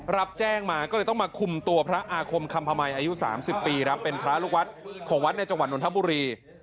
รับแจ้งมาก็เลยต้องมาคุมตัวพระอาคมคำพมัยอายุ๓๐ปีครับเป็นพระลูกวัดของวัดในจังหวัดนทบุรี